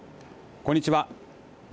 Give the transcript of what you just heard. こんにちは。